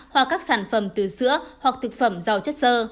hoặc các sản phẩm từ sữa hoặc thực phẩm giàu chất sơ